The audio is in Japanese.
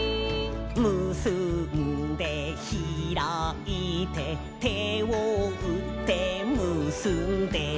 「むすんでひらいて」「手をうってむすんで」